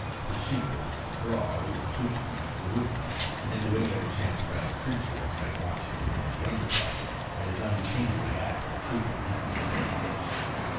to Chigwooltz the frog, and Tookhees the wood mouse, and to any other chance wild creature that might watch him from the underbrush at his unkingly act of feeding on dead fish.